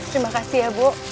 terima kasih ya bu